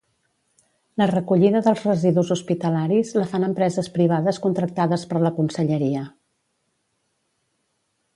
La recollida dels residus hospitalaris la fan empreses privades contractades per la conselleria.